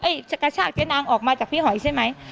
จะกระชากเจ๊นางออกมาจากพี่หอยใช่ไหม